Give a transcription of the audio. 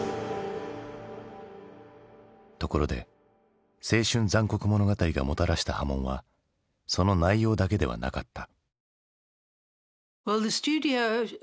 ところで「青春残酷物語」がもたらした波紋はその内容だけではなかった。